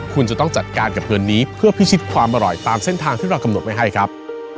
คุณจะต้องจัดการกับเงินนี้เพื่อพิชิตความอร่อยตามเส้นทางที่เรากำหนดไว้ให้ครับ